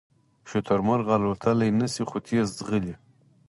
شترمرغ الوتلی نشي خو تېز ځغلي